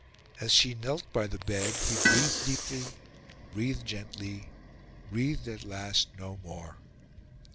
As she knelt by the bed, he breathed deeply, breathed gently, breathed at last no more.